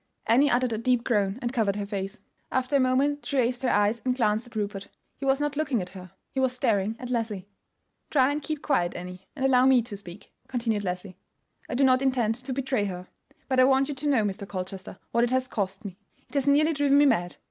Annie uttered a deep groan, and covered her face. After a moment she raised her eyes, and glanced at Rupert. He was not looking at her; he was staring at Leslie. "Try and keep quiet, Annie, and allow me to speak," continued Leslie. "I do not intend to betray her. But I want you to know, Mr. Colchester, what it has cost me; it has nearly driven me mad.